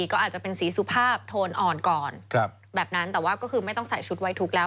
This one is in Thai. ก็อาจจะเป็นสีสุภาพโทนอ่อนก่อนแบบนั้นแต่ว่าก็คือไม่ต้องใส่ชุดไว้ทุกข์แล้ว